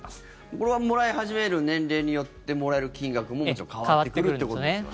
これはもらい始める年齢によってもらえる金額も、もちろん変わってくるってことですよね。